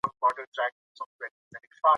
یوازې لیکلې وینا پاتې ده.